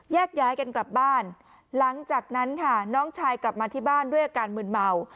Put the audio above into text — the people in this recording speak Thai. แยกย้ายกันกลับบ้านหลังจากนั้นค่ะน้องชายกลับมาที่บ้านด้วยอาการมืนเมา